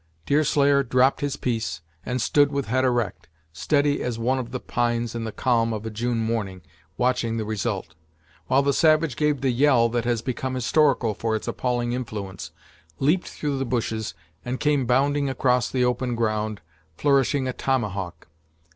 Deerslayer dropped his piece, and stood with head erect, steady as one of the pines in the calm of a June morning, watching the result; while the savage gave the yell that has become historical for its appalling influence, leaped through the bushes, and came bounding across the open ground, flourishing a tomahawk.